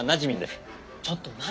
ちょっと何？